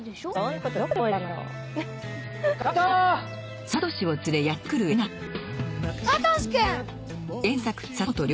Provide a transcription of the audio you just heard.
うん。